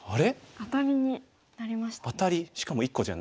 アタリになりましたね。